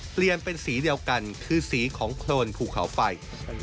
เปลี่ยนเป็นสีเดียวกันคือสีของโครนภูเขาไฟ